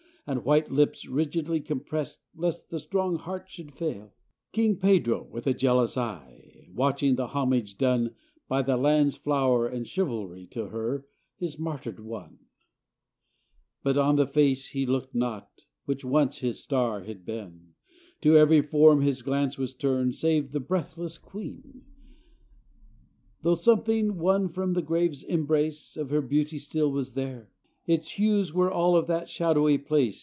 And white lips rigidly compressed. Lest the strong heart should fail: King Pedro, with a jealous eye, Watching the homage done By the land's flower and chivalry To her, his martyred one. 567 PORTUGAL But on the face he looked not Which once his star had been; To every form his glance was turned Save of the breathless queen: Though something, won from the grave's embrace, Of her beauty still was there, Its hues were all of that shadowy place.